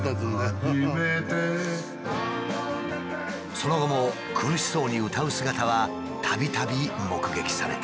その後も苦しそうに歌う姿はたびたび目撃された。